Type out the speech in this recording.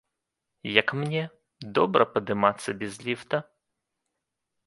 Як мне, добра падымацца без ліфта?